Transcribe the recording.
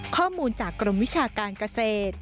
ข้อมูลจากกรมวิชาการเกษตร